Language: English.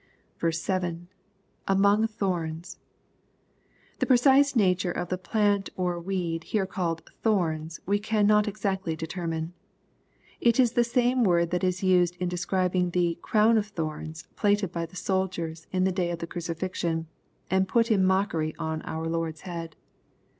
7.^^[Among ffiorns*] The precise nature of the plant or weed here ca3led "thorns," we cannot exactly determine. It is the same word that is used in describing the " crown of thorns," plaited by the soldiers in ^e day of the crucifixion, and put in mockery on our Lord's head.